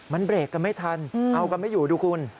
มันเบรกกันไม่ทันเอากันไม่อยู่ดูคุณ